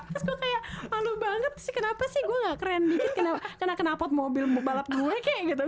terus gue kayak malu banget sih kenapa sih gue gak keren dikit kena kenalpot mobil balap gue kayak gitu